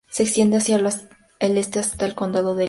Se extiende hacia el este hasta el condado de Lyon.